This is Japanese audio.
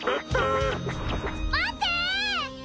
待って！